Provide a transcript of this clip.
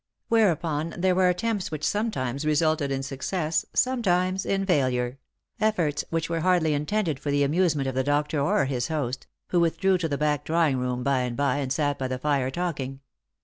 Whereupon there were attempts which sometimes resulted in success, sometimes in failure; efforts which were hardly intended for the amusement of the doctor or his host, who withdrew to the back drawing room by and by, and sat by the fire talking.